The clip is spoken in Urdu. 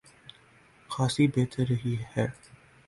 خاصی بہتر رہی ہے۔